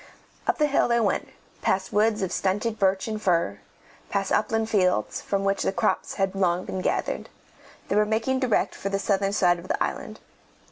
Up the hill they went, past woods of stunted birch and fir, past upland fields, from which the crops had long been gathered. They were making direct for the southern side of the island.